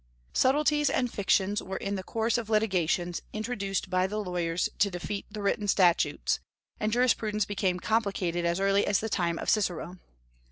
Subtleties and fictions were in the course of litigations introduced by the lawyers to defeat the written statutes, and jurisprudence became complicated as early as the time of Cicero.